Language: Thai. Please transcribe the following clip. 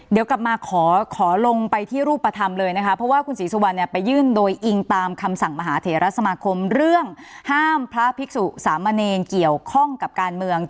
เดี๋ยวกลับมาขอลงไปที่รูปภาธรรมเลยนะคะ